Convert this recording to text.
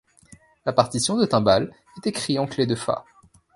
La partition de timbales est écrite en clef de fa.